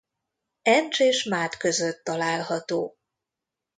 Encs és Mád között található.